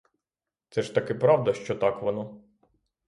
Це ж таки правда, що так воно!